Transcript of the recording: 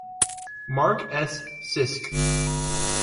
Mark S. Sisk.